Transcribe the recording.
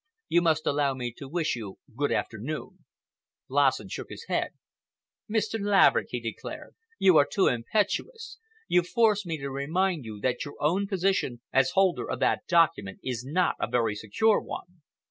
You must allow me to wish you good afternoon." Lassen shook his head. "Mr. Laverick," he declared, "you are too impetuous. You force me to remind you that your own position as holder of that document is not a very secure one.